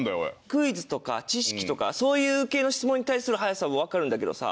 クイズとか知識とかそういう系の質問に対する早さはわかるんだけどさ。